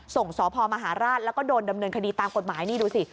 ส่งสพมหาราชแล้วก็โดนดำเนินคดีตามกฎหมายนี่ดูสิ